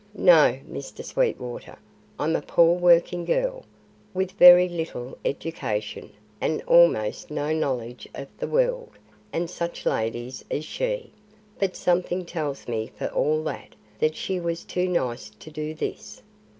"No, Mr. Sweetwater. I'm a poor working girl, with very little education and almost no knowledge of the world and such ladies as she. But something tells me for all that, that she was too nice to do this.